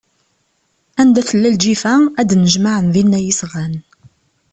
Anda tella lǧifa, ad d-nnejmaɛen dinna yesɣan.